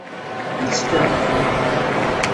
Yettekka.